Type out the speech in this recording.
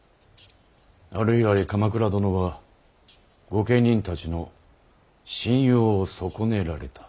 あれ以来鎌倉殿は御家人たちの信用を損ねられた。